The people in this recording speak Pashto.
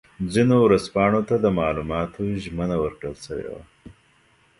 ځینو ورځپاڼو ته د معلوماتو ژمنه ورکړل شوې وه.